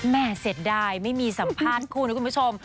เสียดายไม่มีสัมภาษณ์คู่นะคุณผู้ชม